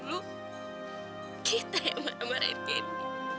lalu kita yang menemarahin candy